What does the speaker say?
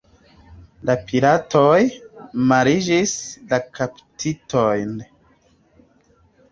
La piratoj malligis la kaptitojn.